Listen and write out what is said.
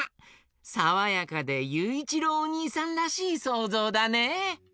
さわやかでゆういちろうおにいさんらしいそうぞうだね！